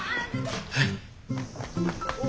はい。